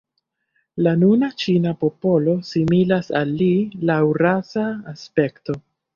La nuna ĉina popolo similas al li laŭ rasa aspekto.